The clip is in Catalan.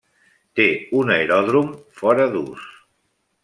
Té un aeròdrom fora d'ús.